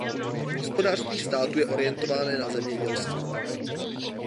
Hospodářství státu je orientované na zemědělství.